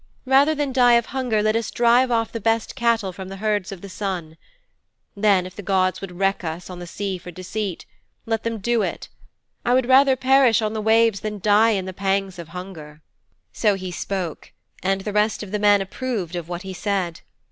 Rather than die of hunger let us drive off the best cattle from the herds of the Sun. Then, if the gods would wreck us on the sea for the deed, let them do it. I would rather perish on the waves than die in the pangs of hunger."' 'So he spoke, and the rest of the men approved of what he said.